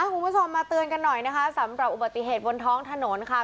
คุณผู้ชมมาเตือนกันหน่อยนะคะสำหรับอุบัติเหตุบนท้องถนนค่ะ